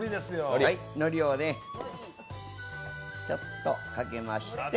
のりをちょっとかけまして。